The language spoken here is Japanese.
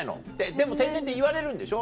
でも天然って言われるんでしょ？